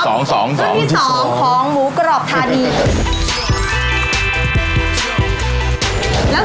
สองที่สอง